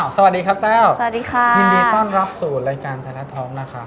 สวัสดีครับแต้วสวัสดีค่ะยินดีต้อนรับสู่รายการไทยรัฐท้องนะครับ